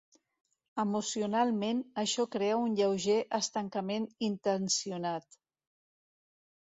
Emocionalment, això crea un lleuger estancament intencionat.